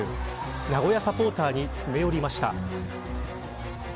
名古屋サポーターに詰め寄りました。